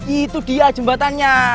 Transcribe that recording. itu dia jembatannya